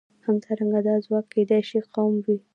همدارنګه دا ځواک کېدای شي قوم وي.